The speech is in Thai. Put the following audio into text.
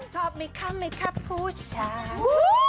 ชอบมีครับมั้ยคะผู้ชาย